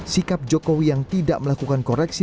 sikap jokowi yang tidak melakukan koreksi